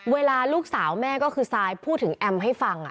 เวลาลูกสาวแม่ก็คือซายพูดถึงแอมให้ฟัง